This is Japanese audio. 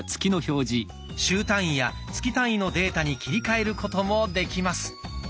週単位や月単位のデータに切り替えることもできます。